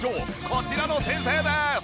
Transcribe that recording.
こちらの先生です。